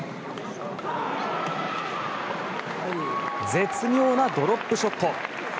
絶妙なドロップショット。